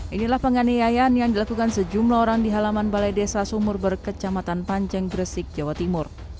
inilah penganiayaan yang dilakukan sejumlah orang di halaman balai desa sumur berkecamatan panceng gresik jawa timur